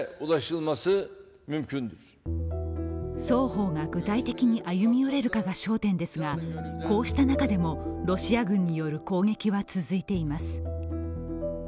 双方が具体的に歩み寄れるかが焦点ですがこうした中でも、ロシア軍による攻撃は続いています。